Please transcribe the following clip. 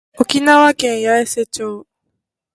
沖縄県八重瀬町